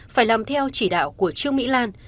phải làm theo chỉ đạo của trương mỹ lan